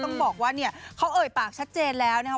ต้องบอกว่าเนี่ยเขาเอ่ยปากชัดเจนแล้วนะครับ